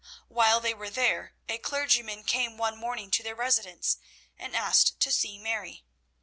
While they were there, a clergyman came one morning to their residence and asked to see Mary.